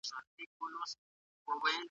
ویل څه سوې سپی د وخته دی راغلی .